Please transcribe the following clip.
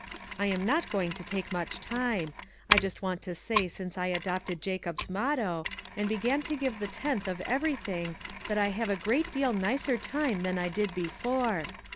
I am not going to take much time ; I just want to say since I adopted Jacob's motto, and began to give the tenth of every thing, that I have a great deal nicer time than I did before.